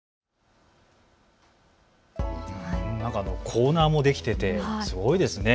コーナーもできててすごいですね。